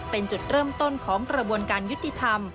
เป็นจุดเริ่มต้นของกระบวนการยุติธรรม